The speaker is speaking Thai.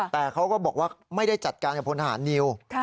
แต่เขาก็บอกว่าไม่ได้จัดการกับพลทหารนิว